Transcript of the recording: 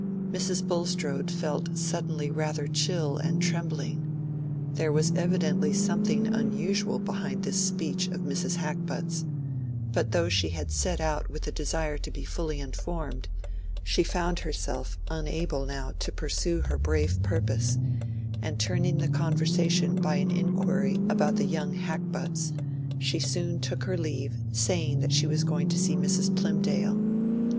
Mrs. Bulstrode felt suddenly rather chill and trembling: there was evidently something unusual behind this speech of Mrs. Hackbutt's; but though she had set out with the desire to be fully informed, she found herself unable now to pursue her brave purpose, and turning the conversation by an inquiry about the young Hackbutts, she soon took her leave saying that she was going to see Mrs. Plymdale.